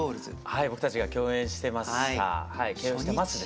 はい僕たちが共演してました。